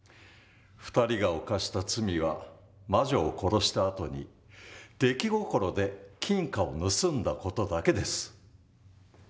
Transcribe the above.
２人が犯した罪は魔女を殺したあとに出来心で金貨を盗んだ事だけです。